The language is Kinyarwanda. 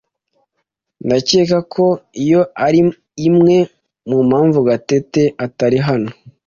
Ndakeka ko iyo ari imwe mu mpamvu Gatete atari hano.